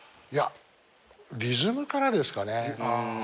いやリズムからですかね。